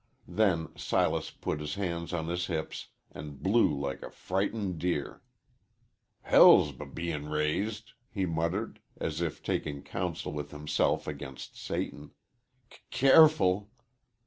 Then Silas put his hands on his hips and blew like a frightened deer. "Hell's b bein' raised," he muttered, as if taking counsel with himself against Satan. "C careful!"